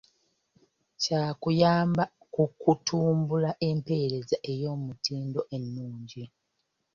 Kya kuyamba ku kutumbula empeereza ey'omutindo ennungi.